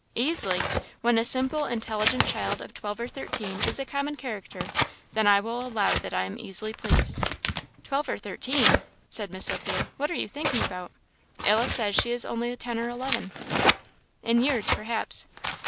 "Easily! When a simple, intelligent child of twelve or thirteen is a common character, then I will allow that I am easily pleased." "Twelve or thirteen!" said Miss Sophia; "what are you thinking about? Alice says she is only ten or eleven." "In years perhaps."